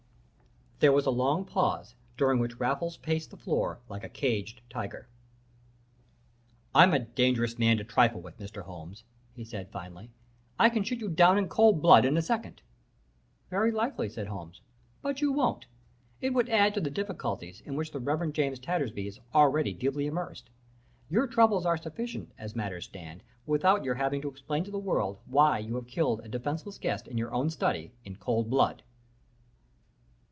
"There was a long pause, during which Raffles paced the floor like a caged tiger. "'I'm a dangerous man to trifle with, Mr. Holmes,' he said, finally. 'I can shoot you down in cold blood in a second.' "'Very likely,' said Holmes. 'But you won't. It would add to the difficulties in which the Reverend James Tattersby is already deeply immersed. Your troubles are sufficient, as matters stand, without your having to explain to the world why you have killed a defenceless guest in your own study in cold blood.